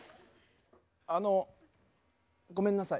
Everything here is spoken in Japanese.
あのごめんなさい。